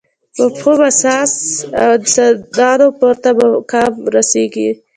مفهوم اساس انسانان پورته مقام ورسېږي.